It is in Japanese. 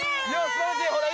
すばらしいほら